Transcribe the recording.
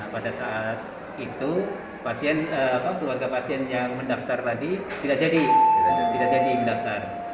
pada saat itu keluarga pasien yang mendaftar tadi tidak jadi tidak jadi mendaftar